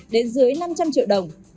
đến dưới năm trăm linh triệu đồng